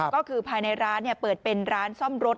ก็คือภายในร้านเปิดเป็นร้านซ่อมรถ